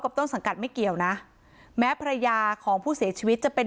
ต้นสังกัดไม่เกี่ยวนะแม้ภรรยาของผู้เสียชีวิตจะเป็น